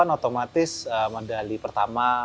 otomatis medali pertama